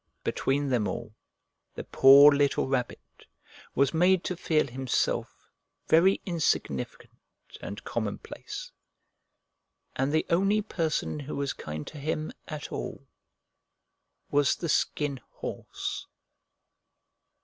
Between them all the poor little Rabbit was made to feel himself very insignificant and commonplace, and the only person who was kind to him at all was the Skin Horse.